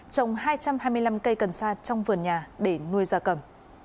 trồng hai trăm hai mươi năm cây cần sa trong vườn nhà để nuôi gia cầm